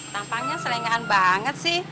tampangnya selengaan banget sih